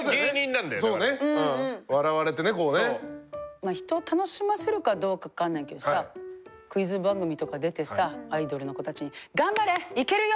まあ人を楽しませるかどうか分かんないけどさクイズ番組とか出てさアイドルの子たちに「頑張れ！いけるよ！